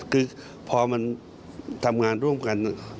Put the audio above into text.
คือพอมันทำงานร่วมกัน